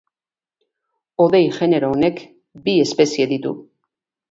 Hodei genero honek bi espezie ditu.